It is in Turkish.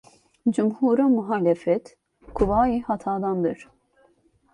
Cumhura muhalefet kuvve-i hatadandır.